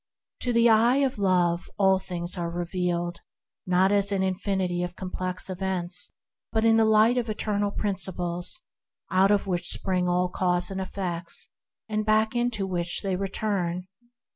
. To the eye of Love all things are revealed, not as an infinity of complex effects, but in the light of Eternal Principles, out of which spring all causes and effects, and back into which they return.